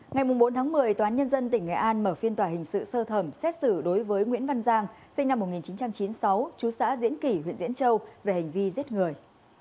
ngày bốn một mươi tòa án nhân dân tỉnh nghệ an mở phiên tòa hình sự sơ thẩm xét xử đối với nguyễn văn giang sinh năm một nghìn chín trăm chín mươi sáu chú xã diễn kỷ huyện diễn châu về hành vi giết người